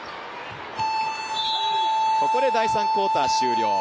ここで第３クオーター終了。